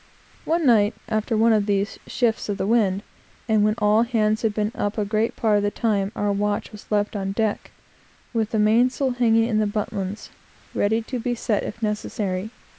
One night, after one of these shifts of the wind, and when all hands had been up a great part of the time, our watch was left on deck, with the mainsail hanging in the buntlines, ready to be set if necessary.